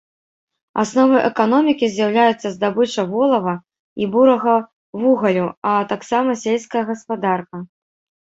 Асновай эканомікі з'яўляюцца здабыча волава і бурага вугалю, а таксама сельская гаспадарка.